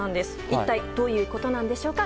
一体どういうことなんでしょうか。